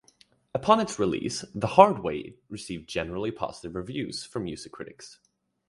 Upon its release, "The Hard Way" received generally positive reviews from music critics.